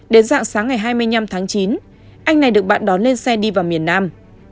đến dạng sáng ngày hai mươi năm tháng chín anh này được bạn đón lên xe đi vào miền nam